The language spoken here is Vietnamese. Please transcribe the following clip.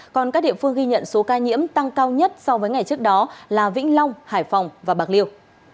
còn các địa phương ghi nhận số ca nhiễm tăng cao nhất so với ngày trước đó là vĩnh long hải phòng và bạc liêu